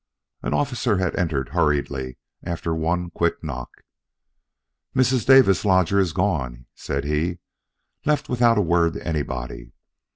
An officer had entered hurriedly after one quick knock. "Mrs. Davis' lodger is gone," said he. "Left without a word to anybody.